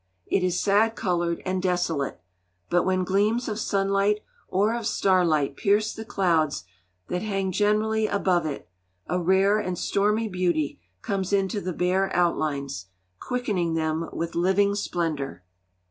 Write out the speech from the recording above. It is sad coloured and desolate, but when gleams of sunlight or of starlight pierce the clouds that hang generally above it, a rare and stormy beauty comes into the bare outlines, quickening them with living splendour.